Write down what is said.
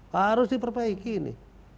harus diperbaiki ini